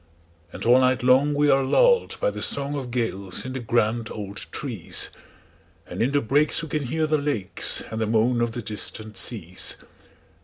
And all night long we are lulled by the songOf gales in the grand old trees; And in the breaks we can hear the lakesAnd the moan of the distant seas.